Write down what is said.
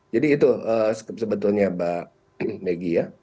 jadi itu sebetulnya mbak meggy ya